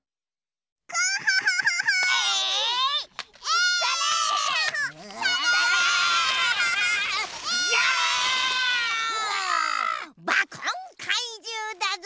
バコンかいじゅうだぞ！